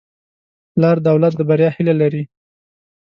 پلار د اولاد د بریا هیله لري.